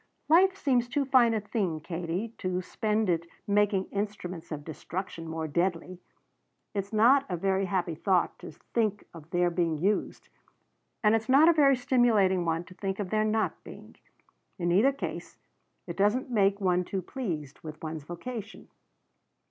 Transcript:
"Life seems too fine a thing, Katie, to spend it making instruments of destruction more deadly. It's not a very happy thought to think of their being used; and it's not a very stimulating one to think of their not being. In either case, it doesn't make one too pleased with one's vocation.